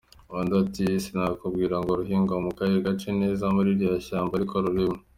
Undi ati “Sinakubwira ngo ruhingwa mu kahe gace neza muri ririya shyamba, ariko rurimo.